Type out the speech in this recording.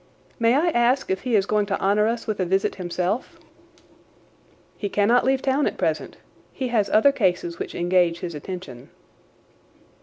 "May I ask if he is going to honour us with a visit himself?" "He cannot leave town at present. He has other cases which engage his attention."